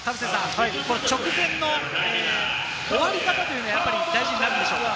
直前の終わり方は大事になるのでしょうか？